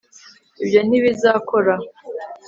ibyo ntibizakora